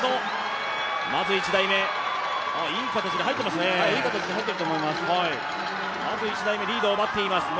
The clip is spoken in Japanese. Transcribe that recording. １台目、いい形で入ってますね。